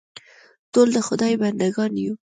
ټول د خدای بنده ګان یو.